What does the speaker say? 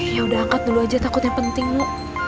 ya udah angkat dulu aja takut yang pentingmu